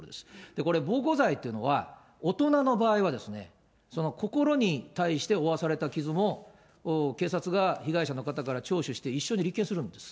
これ、暴行罪というのは、大人の場合はですね、心に対して負わされた傷も、警察が被害者の方から聴取して一緒に立件するんです。